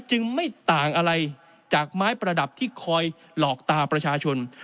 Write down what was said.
จึงไม่ต่างอะไรจากไม้ประดับที่คอยหลอกตาประชาชน